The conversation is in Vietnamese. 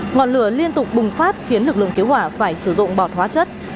ngọn lửa liên tục bùng phát khiến lực lượng cứu hỏa phải sử dụng bọt hóa chất